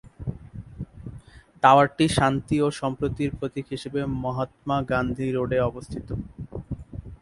টাওয়ারটি শান্তি ও সম্প্রীতির প্রতীক হিসেবে মহাত্মা গান্ধী রোড এ অবস্থিত।